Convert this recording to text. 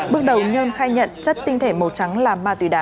bước đầu nhân khai nhận chất tinh thể màu trắng là ma túy đá